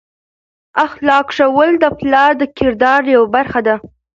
اخلاق ښوول د پلار د کردار یوه برخه ده.